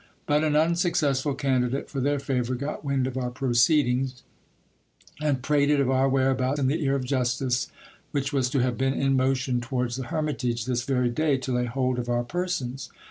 But an unsuccessful candidate for their favour got wind of our proceedings, and prated of our whereabout in the ear of justice, which was to have been in motion towards the hermitage this Very day, to lay hold of our persons.